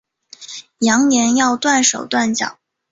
扬言要断手断脚